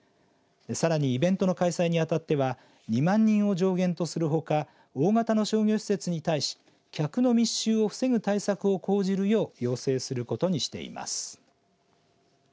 さらに、イベントの開催にあたっては２万人を上限とするほか大型の商業施設に対し客の密集を防ぐ対策を講じるよう要請することにしています。